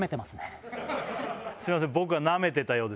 すいません。